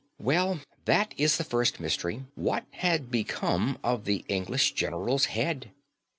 Well, that is the first mystery; what had become of the English general's head?